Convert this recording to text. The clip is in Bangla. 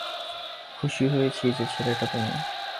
খুশি হয়েছি যে ছেলেটা তুমি।